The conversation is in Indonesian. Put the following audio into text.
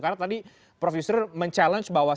karena tadi prof yusril mencabar bahwa